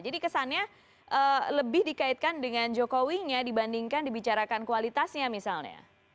jadi kesannya lebih dikaitkan dengan jokowinya dibandingkan dibicarakan kualitasnya misalnya